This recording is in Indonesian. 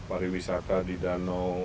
ada pariwisata di danau